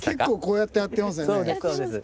結構こうやってやってますよね。